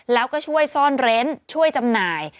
แล้วก็ช่วยซ่อนเร้นช่วยจำหน่าย